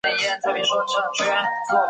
包多镇为缅甸若开邦实兑县的镇区。